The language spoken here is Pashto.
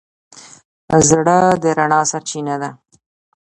زړه د رڼا سرچینه ده.